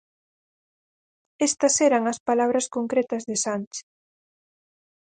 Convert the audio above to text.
Estas eran as palabras concretas de Sánchez.